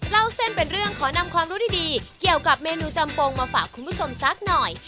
เล่าเส้นเป็นเรื่องขอนำความรู้ดีเกี่ยวกับเมนูจำโปรงมาฝากคุณผู้ชมสักหน่อย